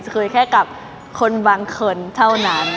เคยแค่กับคนบางคนเท่านั้น